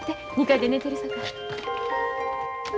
２階で寝てるさかい。